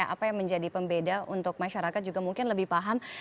apa yang menjadi pembeda untuk masyarakat juga mungkin lebih paham